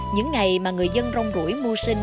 những ngày mà người dân rong rủi mua sinh